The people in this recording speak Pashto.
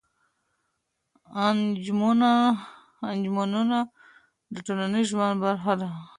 انجمنونه د ټولنيز ژوند برخه ده.